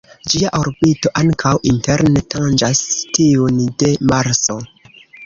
Ĝia orbito ankaŭ interne tanĝas tiun de Marso.